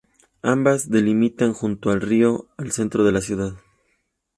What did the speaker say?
Ambas delimitan, junto al río, al centro de la ciudad.